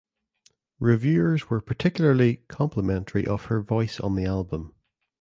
Reviewers were particularly complimentary of her voice on the album.